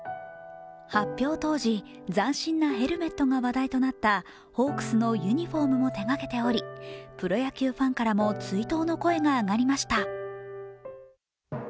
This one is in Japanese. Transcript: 発表当時、斬新なヘルメットが話題となったホークスのユニフォームも手がけており、プロ野球ファンからも追悼の声が上がりました。